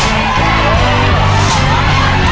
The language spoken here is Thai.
สุดท้ายแล้วครับ